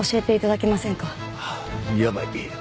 やばい。